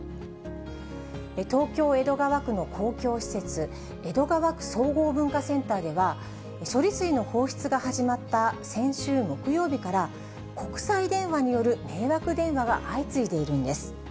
東京・江戸川区の公共施設、江戸川区総合文化センターでは、処理水の放出が始まった先週木曜日から、国際電話による迷惑電話が相次いでいるんです。